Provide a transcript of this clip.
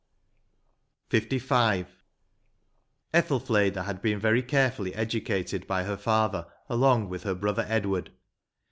110 LV. Ethelfleda had been very careAilly educated by her father along with her brother Edward.